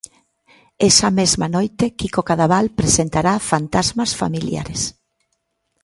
Esa mesma noite Quico Cadaval presentará Fantasmas familiares.